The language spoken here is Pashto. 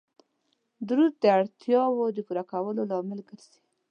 درود د اړتیاو د پوره کیدلو لامل ګرځي